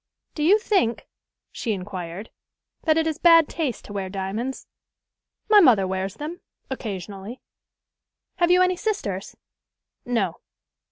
"Do you think," she inquired, "that it is bad taste to wear diamonds?" "My mother wears them occasionally." "Have you any sisters?" "No."